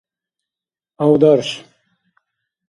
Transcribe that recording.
авдарш